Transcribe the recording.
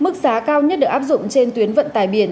mức giá cao nhất được áp dụng trên tuyến vận tải biển